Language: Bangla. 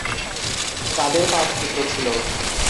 তাদের পাঁচ পুত্র ছিল।